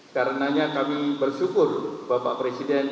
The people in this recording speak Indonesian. karenanya kami bersyukur bapak presiden